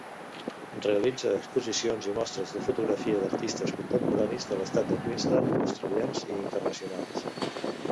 Realitza exposicions i mostres de fotografia d'artistes contemporanis de l'estat de Queensland, australians i internacionals.